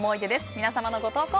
皆様のご投稿